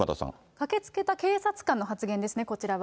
駆けつけた警察官の発言ですね、こちらは。